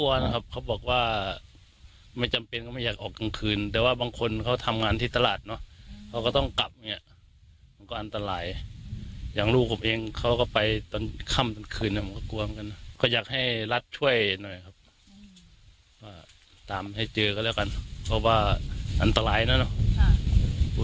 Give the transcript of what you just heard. อันตรายนะนะคือว่าถ้าจับไม่ได้ก็เราแหวงนะทีบรถล้มกันค่อนข้าง